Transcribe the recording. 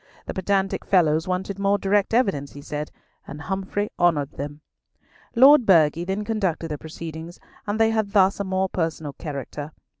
The pedantic fellows wanted more direct evidence, he said, and Humfrey honoured them. Lord Burghley then conducted the proceedings, and they had thus a more personal character.